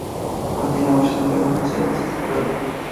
Contiene muchos antiguos mosaicos de este periodo.